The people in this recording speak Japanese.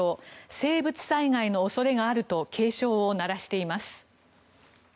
生物災害の恐れがあると警鐘を鳴らしています。